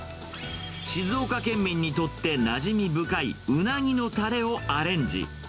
静岡県民にとってなじみ深いウナギのたれをアレンジ。